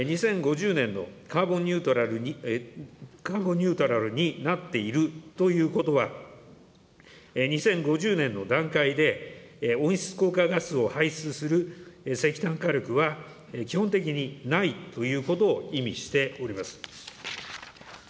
２０５０年のカーボンニュートラルになっているということは、２０５０年の段階で温室効果ガスを排出する石炭火力は基本的にないということを意味しております。